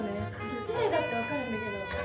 失礼だってわかるんだけど。